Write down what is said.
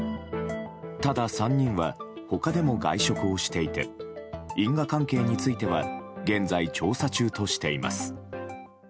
ただ、３人は他でも外食をしていて因果関係については現在、調査中としています。